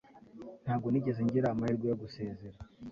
Ntabwo nigeze ngira amahirwe yo gusezera